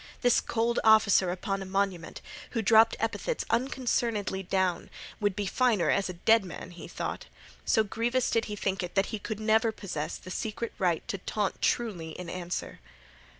This cold officer upon a monument, who dropped epithets unconcernedly down, would be finer as a dead man, he thought. So grievous did he think it that he could never possess the secret right to taunt truly in answer.